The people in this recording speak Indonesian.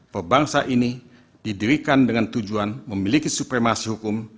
pebangsa ini didirikan dengan tujuan memiliki supremasi hukum